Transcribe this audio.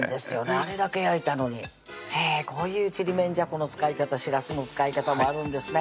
あれだけ焼いたのにこういうちりめんじゃこの使い方しらすの使い方もあるんですね